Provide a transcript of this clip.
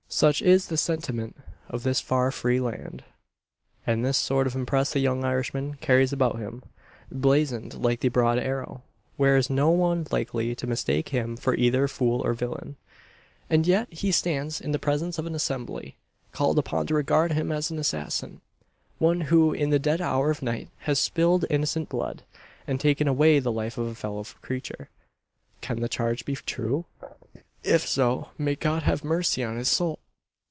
Such is the sentiment of this far free land. And this sort of impress the young Irishman carries about him blazoned like the broad arrow. There is no one likely to mistake him for either fool or villain. And yet he stands in the presence of an assembly, called upon to regard him as an assassin one who in the dead hour of night has spilled innocent blood, and taken away the life of a fellow creature! Can the charge be true? If so, may God have mercy on his soul!